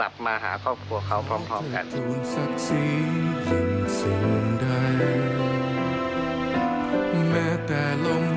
ยังดีใจตามเป้าหมายเดิมก็คือ